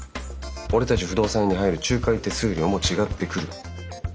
俺たち不動産屋に入る仲介手数料も違ってくる。